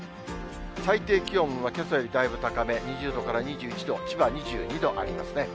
最低気温はけさよりだいぶ高め、２０度から２１度、千葉２２度ありますね。